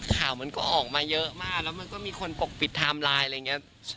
ข่าวมันก็ออกมาเยอะมากแล้วมันก็มีคนปกปิดไทม์ไลน์อะไรอย่างนี้